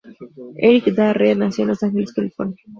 Eric Da Re nació en Los Ángeles, California.